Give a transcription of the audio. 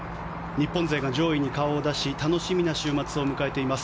日本勢が上位に顔を出し楽しみな週末を迎えています。